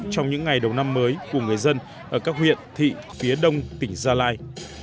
trong những ngày đầu năm mới của người dân ở các huyện thị phía đông tỉnh gia lai